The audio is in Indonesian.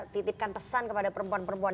titipkan pesan kepada perempuan perempuan